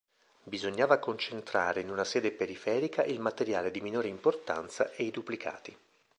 Bisognava concentrare in una sede periferica il materiale di minore importanza e i duplicati.